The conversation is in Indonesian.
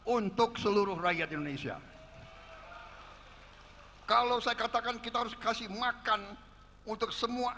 untuk seluruh rakyat indonesia kalau saya katakan kita harus kasih makan untuk semua